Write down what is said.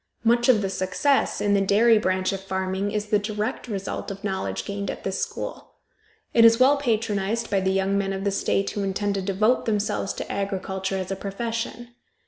Much of the success in the dairy branch of farming is the direct result of knowledge gained at this school. It is well patronized by the young men of the state who intend to devote themselves to agriculture as a profession.